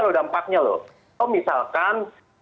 loh dampaknya loh kalau misalkan